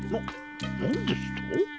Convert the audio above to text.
何ですと！